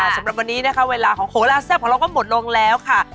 สำหรับวันนี้นะคะเวลาของโหลาแซ่บของเราก็หมดลงแล้วค่ะ